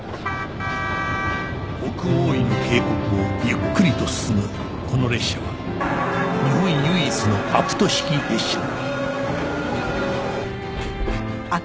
奥大井の渓谷をゆっくりと進むこの列車は日本唯一のアプト式列車だ